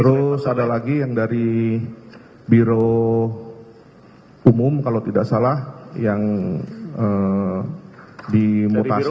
terus ada lagi yang dari biro umum kalau tidak salah yang dimutasi